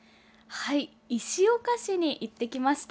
石岡市に行ってきました。